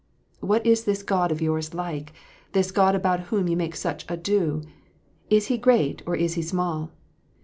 " What is this God of yours like : this God about whom you make such ado ? Is He great or is He small